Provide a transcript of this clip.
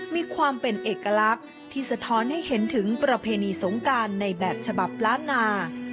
มีความเป็นเอกลักษณ์ที่สะท้อนให้เห็นถึงประเพณีสงการในแบบฉบับล้านนา